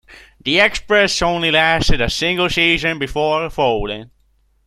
The Express only lasted a single season before folding.